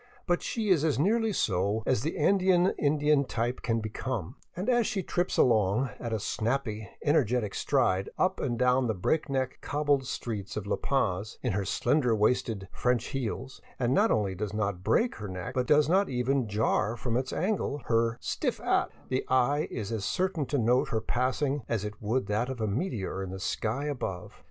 But she is as nearly so as the Andean Indian type can become ; and as she trips along at a " snappy," energetic stride up and down the break neck cobbled^streets of La Paz, in her slender waisted *' French heels," and not only does not break her neck but does not even jar from its angle her " stiff 'at," the eye is as certain to note her passing as it would that of a meteor in the sky above.